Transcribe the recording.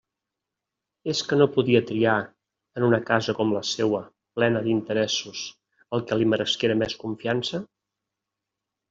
És que no podia triar, en una casa com la seua, plena d'«interessos», el que li meresquera més confiança?